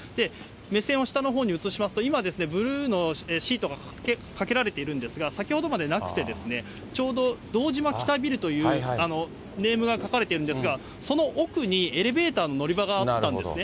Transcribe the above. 目線を下のほうに移しますと、今、ブルーのシートがかけられているんですが、先ほどまでなくて、ちょうど堂島北ビルというネームが書かれているんですが、その奥にエレベーターの乗り場があったんですね。